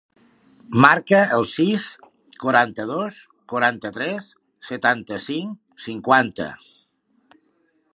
Marca el sis, quaranta-dos, quaranta-tres, setanta-cinc, cinquanta.